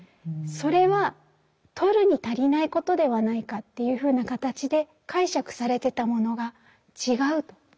それは取るに足りないことではないかというふうな形で解釈されてたものが違うと。